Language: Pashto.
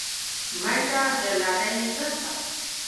منډه د لټۍ ضد ده